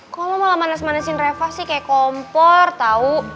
kok lo malah manes manesin reva sih kayak kompor tau